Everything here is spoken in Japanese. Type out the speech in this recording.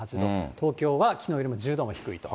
東京はきのうよりも１０度も低いと。